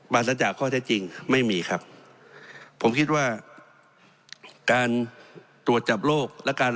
บรรทจากข้อเทศจริงไม่มีครับผมคิดว่าการตรวจจับโรค